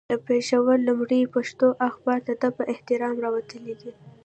د پېښور لومړنی پښتو اخبار د ده په اهتمام راوتلی دی.